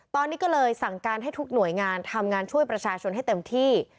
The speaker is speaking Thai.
ตอนนี้ก็เลยสั่งการให้ทุกหน่วยงานทำงานช่วยประชาชนให้เต็มที่